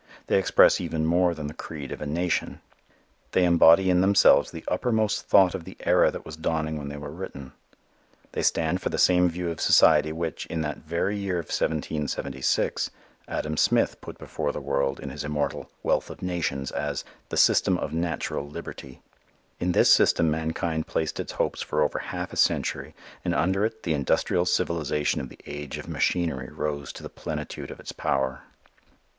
They express even more than the creed of a nation. They embody in themselves the uppermost thought of the era that was dawning when they were written. They stand for the same view of society which, in that very year of 1776, Adam Smith put before the world in his immortal "Wealth of Nations" as the "System of Natural Liberty." In this system mankind placed its hopes for over half a century and under it the industrial civilization of the age of machinery rose to the plenitude of its power.